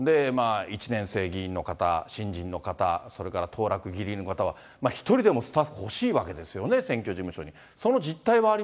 １年生議員の方、新人の方、それから当落ぎりぎりの方は、一人でもスタッフ欲しいわけですよね、選挙事務所に。